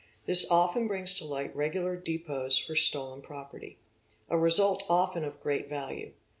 This often _ brings to light regular depots for stolen property, a result often of great ' value.